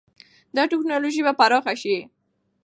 دا ټکنالوژي به پراخه شي.